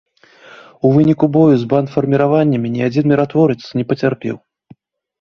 У выніку бою з бандфарміраваннямі ні адзін міратворац не пацярпеў.